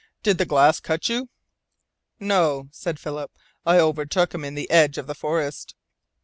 Did the glass cut you?" "No," said Philip. "I overtook him in the edge of the forest."